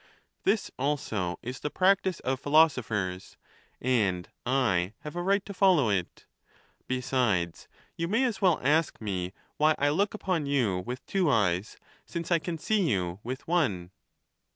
This also is the practice of philoso phers, and I have a right to follow it. Besides, you may as well ask me why I look upon you with two eyes, since I can see you with one.